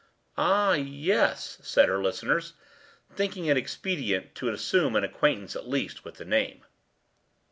“Ah, yes,” said her listeners, thinking it expedient to assume an acquaintance at least with the name.